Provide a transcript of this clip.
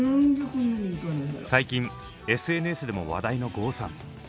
最近ＳＮＳでも話題の郷さん。